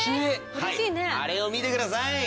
はいあれを見てください。